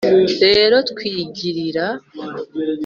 rero twigirira